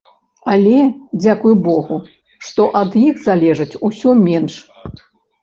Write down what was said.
Але, дзякуй богу, што ад іх залежыць усё менш.